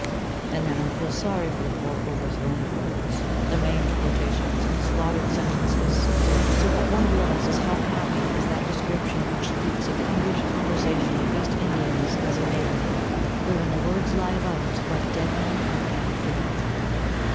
And then one feels sorry for the poor overthrown words, the maimed quotations, and the slaughtered sentences, so that one realises how happy is that description which speaks of the English conversation of East Indians as a mêlée, wherein the words lie about "like dead men on a battle field."